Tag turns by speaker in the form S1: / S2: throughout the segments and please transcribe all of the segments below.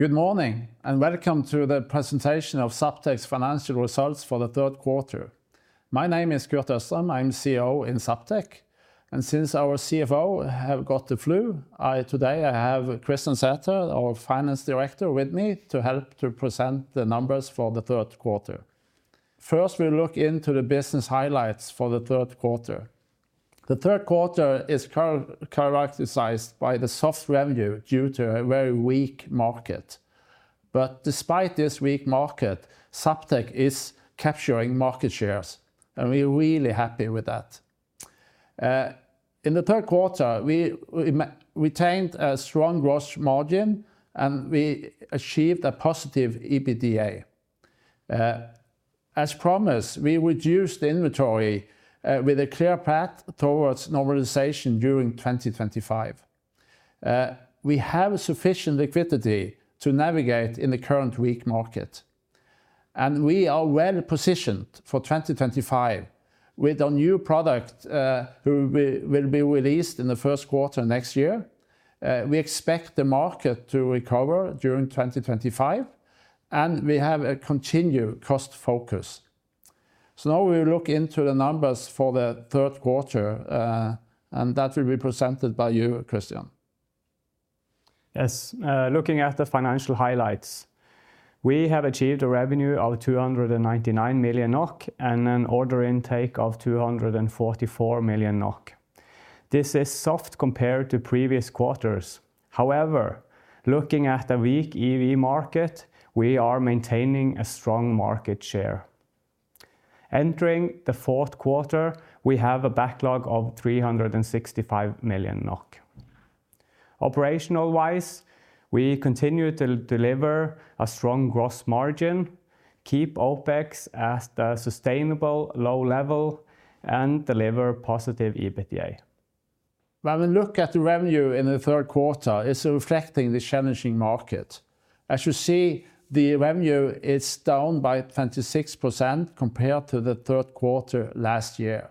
S1: Good morning and welcome to the presentation of Zaptec's financial results for the third quarter. My name is Kurt Østrem. I'm CEO in Zaptec, and since our CFO has got the flu, today I have Kristian Sæther, our Finance Director, with me to help to present the numbers for the third quarter. First, we'll look into the business highlights for the third quarter. The third quarter is characterized by the soft revenue due to a very weak market, but despite this weak market, Zaptec is capturing market shares, and we're really happy with that. In the third quarter, we retained a strong gross margin, and we achieved a positive EBITDA. As promised, we reduced inventory with a clear path towards normalization during 2025. We have sufficient liquidity to navigate in the current weak market, and we are well positioned for 2025 with our new product that will be released in the first quarter next year. We expect the market to recover during 2025, and we have a continued cost focus. So now we will look into the numbers for the third quarter, and that will be presented by you, Kristian.
S2: Yes, looking at the financial highlights, we have achieved a revenue of 299 million NOK and an order intake of 244 million NOK. This is soft compared to previous quarters. However, looking at the weak EV market, we are maintaining a strong market share. Entering the fourth quarter, we have a backlog of 365 million NOK. Operational-wise, we continue to deliver a strong gross margin, keep OPEX at a sustainable low level, and deliver positive EBITDA.
S1: When we look at the revenue in the third quarter, it's reflecting the challenging market. As you see, the revenue is down by 26% compared to the third quarter last year.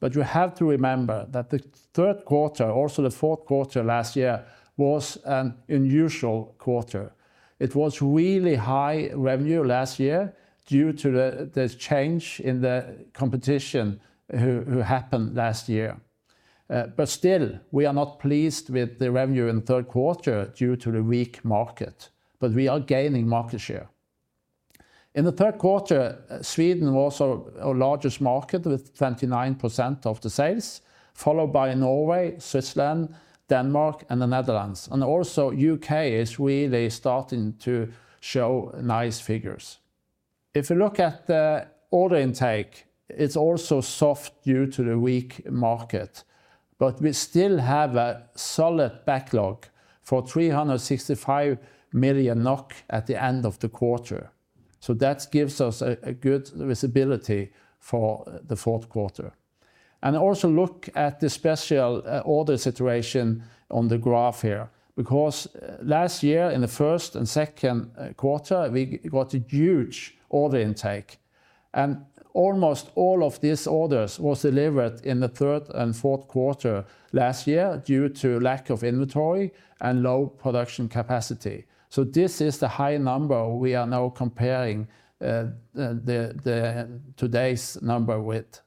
S1: But you have to remember that the third quarter, also the fourth quarter last year, was an unusual quarter. It was really high revenue last year due to the change in the competition that happened last year. But still, we are not pleased with the revenue in the third quarter due to the weak market, but we are gaining market share. In the third quarter, Sweden was our largest market with 29% of the sales, followed by Norway, Switzerland, Denmark, and the Netherlands. And also, the U.K. is really starting to show nice figures. If you look at the order intake, it's also soft due to the weak market, but we still have a solid backlog for 365 million NOK at the end of the quarter. So that gives us a good visibility for the fourth quarter. And also look at the special order situation on the graph here, because last year in the first and second quarter, we got a huge order intake, and almost all of these orders were delivered in the third and fourth quarter last year due to lack of inventory and low production capacity. So this is the high number we are now comparing today's number with.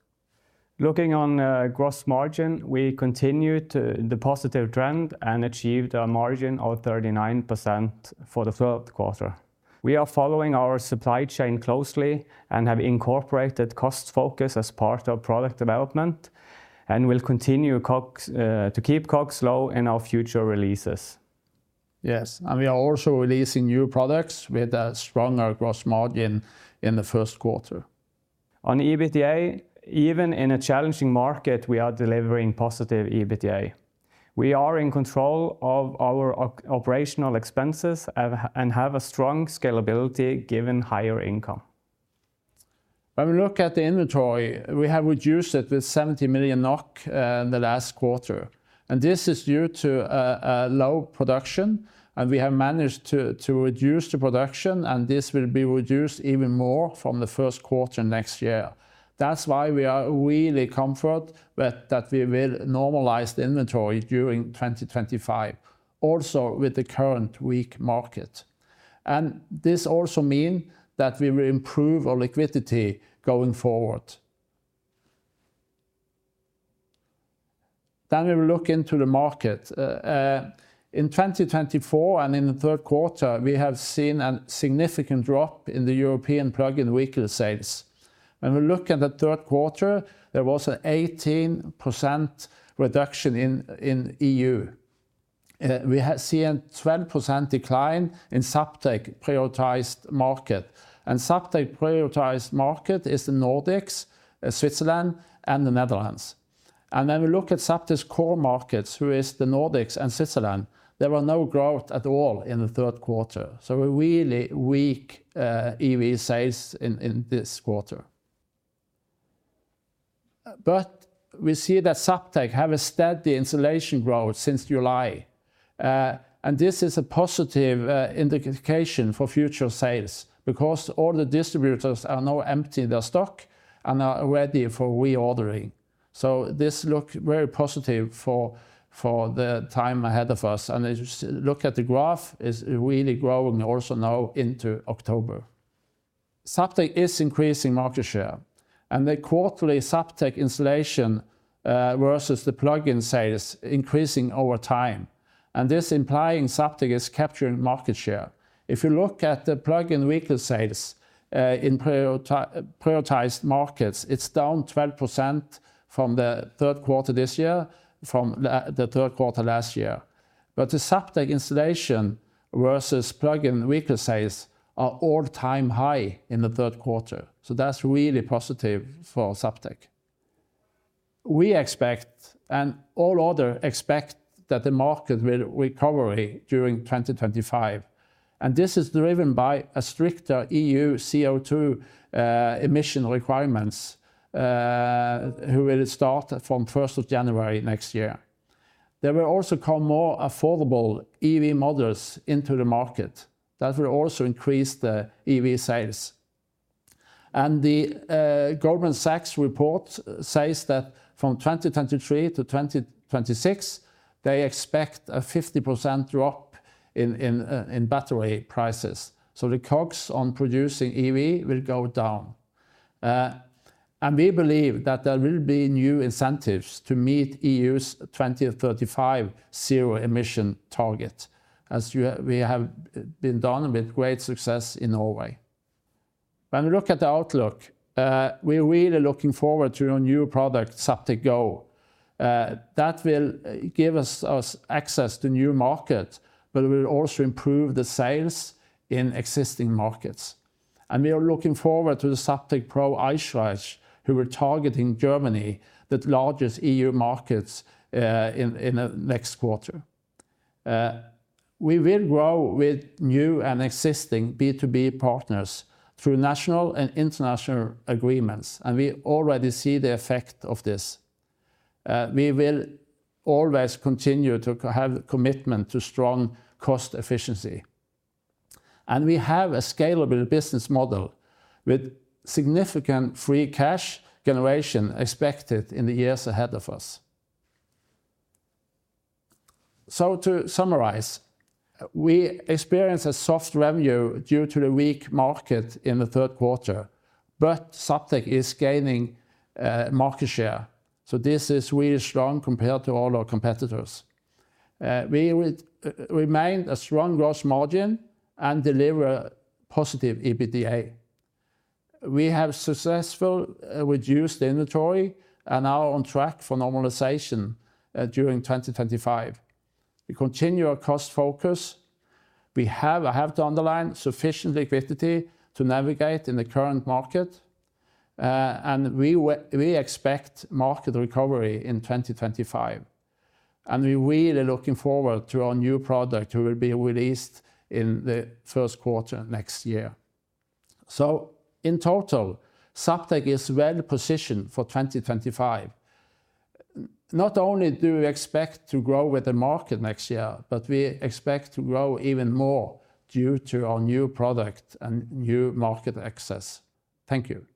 S2: Looking on gross margin, we continued the positive trend and achieved a margin of 39% for the third quarter. We are following our supply chain closely and have incorporated cost focus as part of product development, and we'll continue to keep costs low in our future releases.
S1: Yes, and we are also releasing new products with a stronger gross margin in the first quarter.
S2: On EBITDA, even in a challenging market, we are delivering positive EBITDA. We are in control of our operational expenses and have a strong scalability given higher income.
S1: When we look at the inventory, we have reduced it with 70 million NOK in the last quarter, and this is due to low production, and we have managed to reduce the production, and this will be reduced even more from the first quarter next year. That's why we are really comforted that we will normalize the inventory during 2025, also with the current weak market, and this also means that we will improve our liquidity going forward, then we will look into the market. In 2024 and in the third quarter, we have seen a significant drop in the European plug-in vehicle sales. When we look at the third quarter, there was an 18% reduction in EU We have seen a 12% decline in Zaptec's prioritized market, and Zaptec's prioritized market is the Nordics, Switzerland, and the Netherlands. When we look at Zaptec's core markets, which are the Nordics and Switzerland, there was no growth at all in the third quarter. Really weak EV sales in this quarter. We see that Zaptec has a steady installation growth since July, and this is a positive indication for future sales because all the distributors are now emptying their stock and are ready for reordering. This looks very positive for the time ahead of us, and if you look at the graph, it's really growing also now into October. Zaptec is increasing market share, and the quarterly Zaptec installation versus the plug-in sales is increasing over time, and this implies Zaptec is capturing market share. If you look at the plug-in vehicle sales in prioritized markets, it's down 12% from the third quarter this year from the third quarter last year. But the Zaptec installation versus plug-in vehicle sales are all-time high in the third quarter, so that's really positive for Zaptec. We expect, and all others expect, that the market will recover during 2025, and this is driven by stricter EU CO2 emission requirements that will start from the first of January next year. There will also come more affordable EV models into the market that will also increase the EV sales. And the Goldman Sachs report says that from 2023 to 2026, they expect a 50% drop in battery prices, so the costs on producing EVs will go down. And we believe that there will be new incentives to meet the EU's 2035 zero-emission target, as we have been done with great success in Norway. When we look at the outlook, we're really looking forward to our new product, Zaptec Go. That will give us access to new markets, but it will also improve the sales in existing markets, and we are looking forward to the Zaptec Pro Eichrecht, who are targeting Germany, the largest EU market, in the next quarter. We will grow with new and existing B2B partners through national and international agreements, and we already see the effect of this. We will always continue to have a commitment to strong cost efficiency, and we have a scalable business model with significant free cash generation expected in the years ahead of us, so to summarize, we experience a soft revenue due to the weak market in the third quarter, but Zaptec is gaining market share, so this is really strong compared to all our competitors. We remain a strong gross margin and deliver positive EBITDA. We have successfully reduced inventory and are on track for normalization during 2025. We continue our cost focus. We have, I have to underline, sufficient liquidity to navigate in the current market, and we expect market recovery in 2025. And we're really looking forward to our new product, which will be released in the first quarter next year. So in total, Zaptec is well positioned for 2025. Not only do we expect to grow with the market next year, but we expect to grow even more due to our new product and new market access. Thank you.